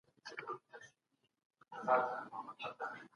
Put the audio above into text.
دا انرژي له غدو خوشې کېږي.